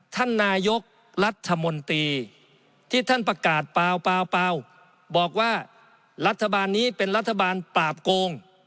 ท่านนายกรัฐมนตรีที่ท่านประกาศเปล่าบอกว่ารัฐบาลนี้เป็นรัฐบาลปราบโกง